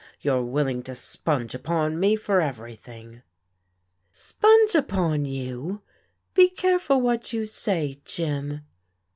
You're willing to sponge upon me for everything." " Sponge upon you ! Be careful what you say, Jim."